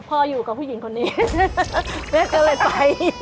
พ่ออยู่กับผู้หญิงคนนี้แม่ก็เลยไป